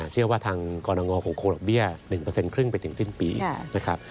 เชื่อว่าทางกรณงคงโคดอกเบี้ย๑ครึ่งไปถึงสิ้นปีนะครับ